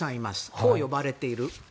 こう呼ばれている。